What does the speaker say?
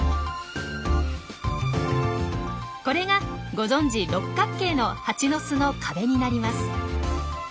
これがご存じ六角形のハチの巣の壁になります。